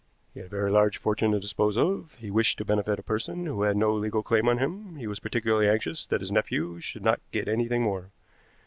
He had a very large fortune to dispose of; he wished to benefit a person who had no legal claim on him; he was particularly anxious that his nephew should not get anything more.